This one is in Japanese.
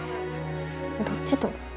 どっちと？